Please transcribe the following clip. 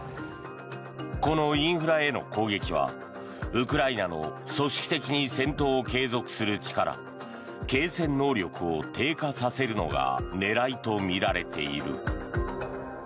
このインフラへの攻撃はウクライナの組織的に戦闘を継続する力継戦能力を低下させるのが狙いとみられている。